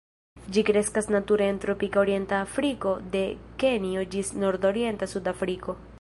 Ĝi kreskas nature en tropika orienta Afriko de Kenjo ĝis nordorienta Sud-Afriko.